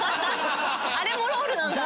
あれも「ロール」なんだ。